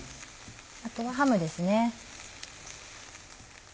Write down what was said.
あとはハムですね。